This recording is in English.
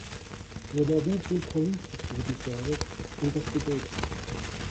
The Norwegian Police Security Service is investigating.